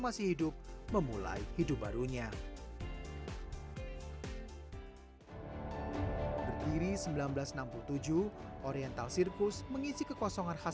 masih hidup memulai hidup barunya berdiri seribu sembilan ratus enam puluh tujuh oriental sirkus mengisi kekosongan khas